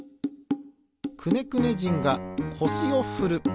くねくね人がこしをふる。